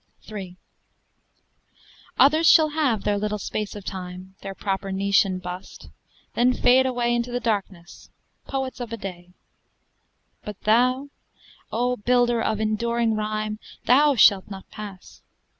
III Others shall have their little space of time, Their proper niche and bust, then fade away Into the darkness, poets of a day; But thou, O builder of enduring rhyme, Thou shalt not pass!